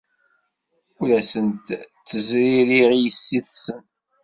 Ur asent-ttezririɣ i yessi-tsen.